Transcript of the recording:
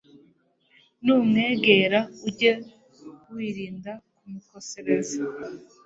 numwegera, ujye wirinda kumukosereza